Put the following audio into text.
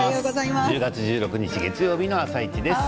１０月１６日月曜日の「あさイチ」です。